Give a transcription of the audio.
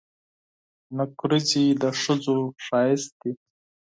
نکریزي د ښځو ښایست دي.